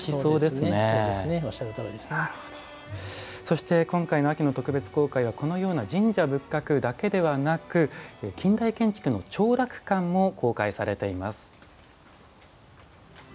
そして、今回の秋の特別公開はこのような神社仏閣だけではなく近代建築の長楽館も公開されています。